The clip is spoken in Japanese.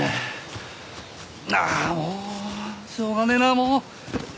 ああもうしょうがねえなあもう！